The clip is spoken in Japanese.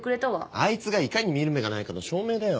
あいつがいかに見る目がないかの証明だよ。